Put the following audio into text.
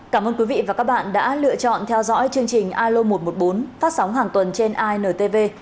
cảm ơn quý vị và các bạn đã lựa chọn theo dõi chương trình alo một trăm một mươi bốn phát sóng hàng tuần trên intv